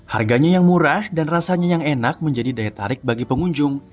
harganya yang murah dan rasanya yang enak menjadi daya tarik bagi pengunjung